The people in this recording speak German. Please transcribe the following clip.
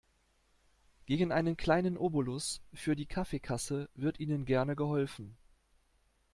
Gegen einen kleinen Obolus für die Kaffeekasse wird Ihnen gerne geholfen.